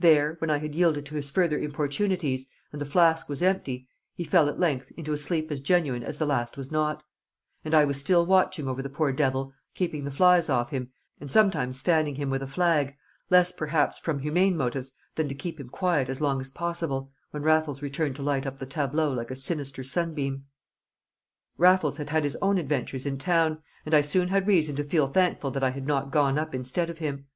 There, when I had yielded to his further importunities, and the flask was empty, he fell at length into a sleep as genuine as the last was not; and I was still watching over the poor devil, keeping the flies off him, and sometimes fanning him with a flag, less perhaps from humane motives than to keep him quiet as long as possible, when Raffles returned to light up the tableau like a sinister sunbeam. Raffles had had his own adventures in town, and I soon had reason to feel thankful that I had not gone up instead of him.